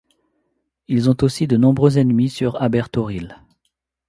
Ils ont aussi de nombreux ennemis sur Abeir-Toril.